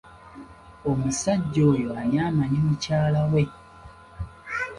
Omusajja oyo ani amanyi mukyala we?